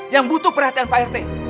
yang butuh perhatian pak rt